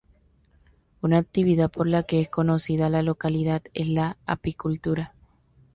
Una actividad por la que es conocida la localidad es la apicultura.